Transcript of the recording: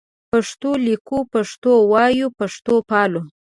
پښتو لیکو پښتو وایو پښتو پالو